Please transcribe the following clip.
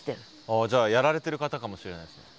ああじゃあやられてる方かもしれないですね。